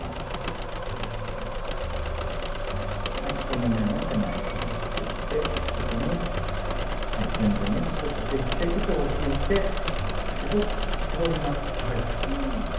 はい１目めの手前１本すくって次に順々にすくっていって糸を引いて絞ります。